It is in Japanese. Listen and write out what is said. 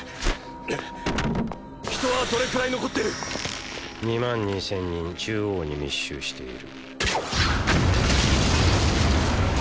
人はどれくらい残ってる⁉２万２千人中央に密集している。